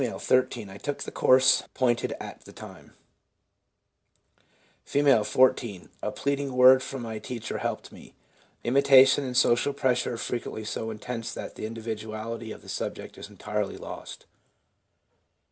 ' I took the course pointed out at the time/ R, 14. ' A pleading word from my teacher helped me.' Imitation, and social pressure are frequently so intense that the individuality of the subject is entirely lost.